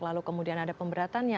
lalu kemudian ada pemberatannya